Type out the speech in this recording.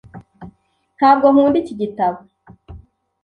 Ntabwo nkunda iki gitabo .